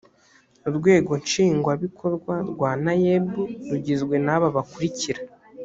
urwego nshingwabikorwa rwa naeb rugizwe n’aba bakurikira